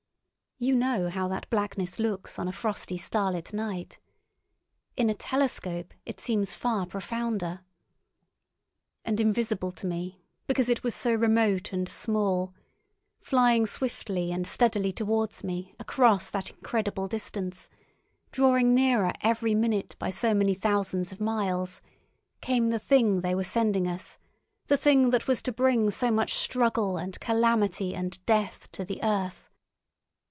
You know how that blackness looks on a frosty starlight night. In a telescope it seems far profounder. And invisible to me because it was so remote and small, flying swiftly and steadily towards me across that incredible distance, drawing nearer every minute by so many thousands of miles, came the Thing they were sending us, the Thing that was to bring so much struggle and calamity and death to the earth.